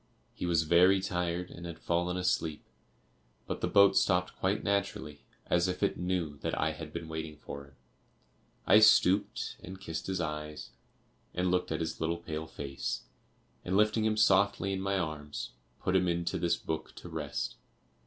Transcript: He was very tired and had fallen asleep, but the boat stopped quite naturally, as if it knew that I had been waiting for him. I stooped, and kissed his eyes, and looked at his little pale face, and lifting him softly in my arms, put him into this book to rest.